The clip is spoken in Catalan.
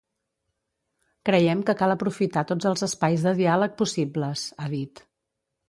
Creiem que cal aprofitar tots els espais de diàleg possibles, ha dit.